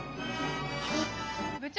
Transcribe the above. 部長！